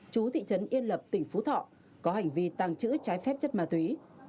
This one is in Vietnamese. chú thị trấn yên lập tỉnh phú thọ có hành vi tàng trữ trái phép chất ma túy